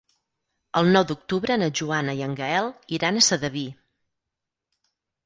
El nou d'octubre na Joana i en Gaël iran a Sedaví.